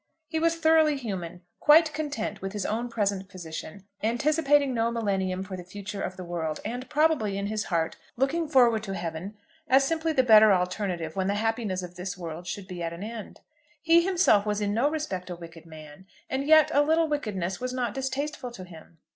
He was thoroughly human, quite content with his own present position, anticipating no millennium for the future of the world, and probably, in his heart, looking forward to heaven as simply the better alternative when the happiness of this world should be at an end. He himself was in no respect a wicked man, and yet a little wickedness was not distasteful to him.